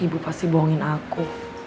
ibu pasti bohongin aku